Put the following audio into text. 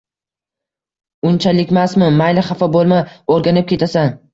Unchalikmasmi? Mayli, xafa boʻlma, oʻrganib ketasan.